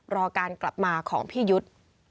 รอการกลับมาของพี่ยุทธ์